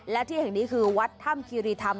และที่เห็นนี่คือวัดธรรมคีรีธรรม